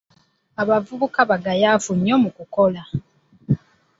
Abavubuka bagayaavu nnyo mu kukola.